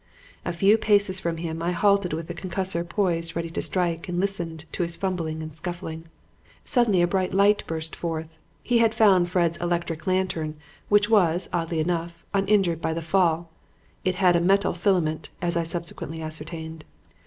A few paces from him I halted with the concussor poised ready to strike and listened to his fumbling and scuffling. Suddenly a bright light burst forth. He had found Fred's electric lantern, which was, oddly enough, uninjured by the fall (it had a metal filament, as I subsequently ascertained).